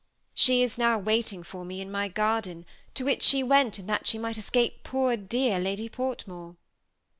She is now waiting for me in my garden, to which she went that she might escape poor dear Lady Port more."